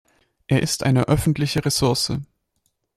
Er ist eine öffentliche Ressource.